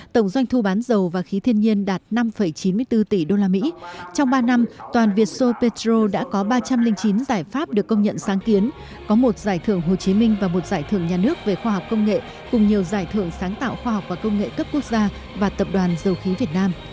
trong ba năm toàn vietso petro đã có ba trăm linh chín giải pháp được công nhận sáng kiến có một giải thưởng hồ chí minh và một giải thưởng nhà nước về khoa học công nghệ cùng nhiều giải thưởng sáng tạo khoa học và công nghệ cấp quốc gia và tập đoàn dầu khí việt nam